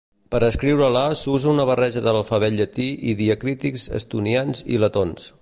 Per escriure-la s'usa una barreja de l'alfabet llatí i diacrítics estonians i letons.